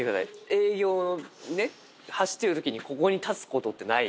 営業の走っているときにここに立つことってない。